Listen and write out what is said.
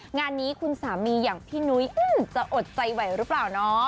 งานนี้คุณสามีอย่างพี่นุ้ยจะอดใจไหวหรือเปล่าเนาะ